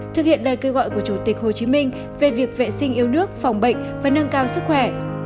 thực hiện lời kêu gọi của chủ tịch hồ chí minh về việc vệ sinh yêu nước phòng bệnh và nâng cao sức khỏe